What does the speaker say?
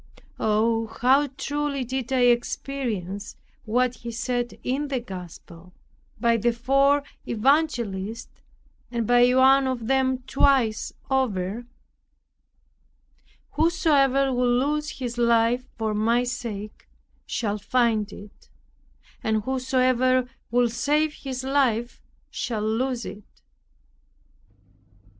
Oh, how truly did I experience what He said in the Gospel, by the four evangelists, and by one of them twice over, "Whosoever will lose his life for my sake shall find it; and whosoever will save his life shall lose it."